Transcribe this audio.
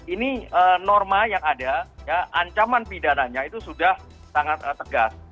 ini norma yang ada ancaman pidananya itu sudah sangat tegas